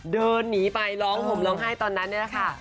เดินหนีไปร้องห่มร้องไห้ตอนนั้นนี่แหละค่ะ